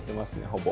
ほぼ。